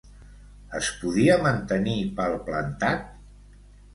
Es podia mantenir palplantat?